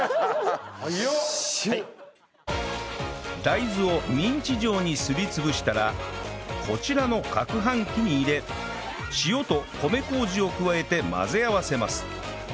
大豆をミンチ状にすり潰したらこちらの攪拌機に入れ塩と米麹を加えて混ぜ合わせます